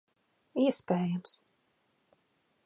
Iespējams.